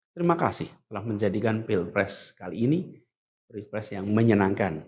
terima kasih telah menjadikan pilpres kali ini pilpres yang menyenangkan